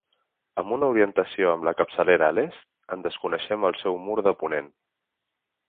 Amb una orientació amb la capçalera a l'est, en desconeixem el seu mur de ponent.